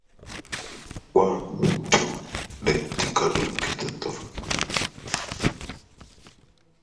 As a result of these mine closures, Gallup has a large socioeconomic poor population.